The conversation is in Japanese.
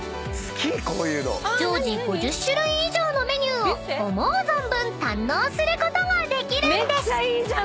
［常時５０種類以上のメニューを思う存分堪能することができるんです］